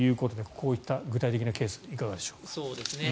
こういった具体的なケースいかがでしょう。